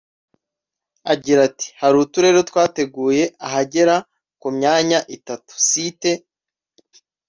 Agira ati “Hari uturere twateguye ahagera ku myanya itatu (Sites)